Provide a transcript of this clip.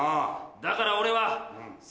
だから俺は。